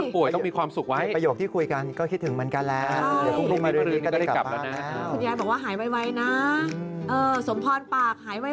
พระเจ้าสิในประโยคที่คุยกันก็คิดถึงมันกันแล้วคุณยายบอกว่าหายไวนะสมพรปากหายไว